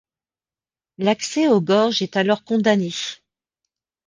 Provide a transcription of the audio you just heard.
L’accès aux gorges est alors condamné.